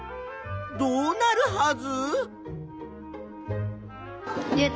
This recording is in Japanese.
どうなるはず？